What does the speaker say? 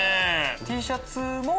Ｔシャツも？